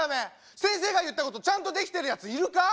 先生が言ったことちゃんとできてるやついるか？